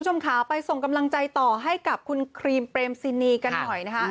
คุณผู้ชมค่ะไปส่งกำลังใจต่อให้กับคุณครีมเปรมซินีกันหน่อยนะคะ